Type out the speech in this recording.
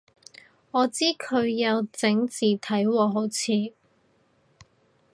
我知佢有整字體喎好似